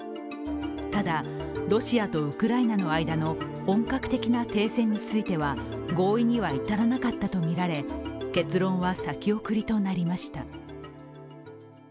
ただ、ロシアとウクライナの間の本格的な停戦については合意には至らなかったとみられ、結論は先送りとなりました。